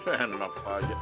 eh senap aja